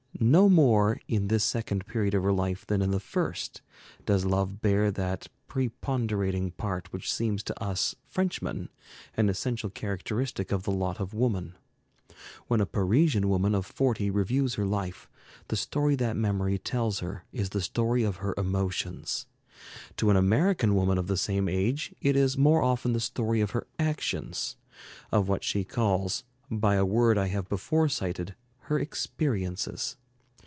No more in this second period of her life than in the first does love bear that preponderating part which seems to us Frenchmen an essential characteristic of the lot of woman. When a Parisian woman of forty reviews her life, the story that memory tells her is the story of her emotions. To an American woman of the same age it is more often the story of her actions, of what she calls, by a word I have before cited, her experiences.